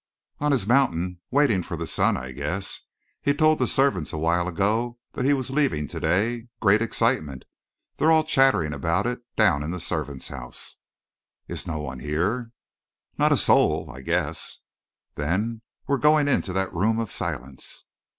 "On his mountain, waiting for the sun, I guess. He told the servants a while ago that he was leaving to day. Great excitement. They're all chattering about it down in the servants' house." "Is no one here?" "Not a soul, I guess." "Then we're going into that Room of Silence!"